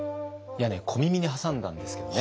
いやね小耳に挟んだんですけどね